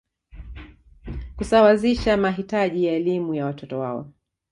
Kusawazisha mahitaji ya elimu ya watoto wao